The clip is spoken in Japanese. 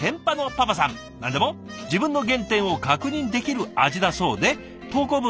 何でも「自分の原点を確認できる味」だそうで投稿文